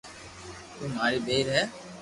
تو ماري ٻير ھي